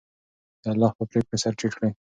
د الله په پرېکړو سر ټیټ کړئ.